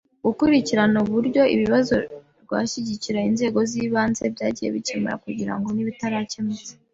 gukurikirana uburyo ibibazo rwashyikirije inzego z ibanze byagiye bikemuka kugira ngo n ibitarakemutse